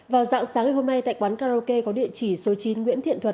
vào dạng sáng ngày hôm nay tại quán karaoke có địa chỉ số chín nguyễn thiện thuật